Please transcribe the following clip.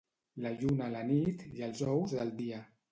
La lluna a la nit i els ous del dia.